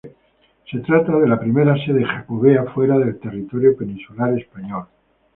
Se trata de la primera sede jacobea fuera del territorio peninsular español.